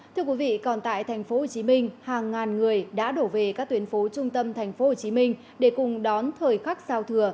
thưa quý vị còn tại tp hcm hàng ngàn người đã đổ về các tuyến phố trung tâm tp hcm để cùng đón thời khắc giao thừa